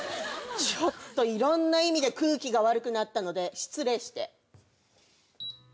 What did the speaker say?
ちょっといろんな意味で空気が悪くなったので失礼して。